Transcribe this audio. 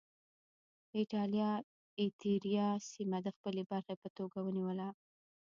اېټالیا اریتیریا سیمه د خپلې برخې په توګه ونیوله.